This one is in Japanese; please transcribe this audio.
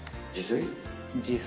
自炊？